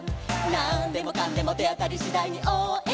「なんでもかんでもてあたりしだいにおうえんだ！！」